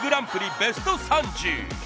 ベスト３０。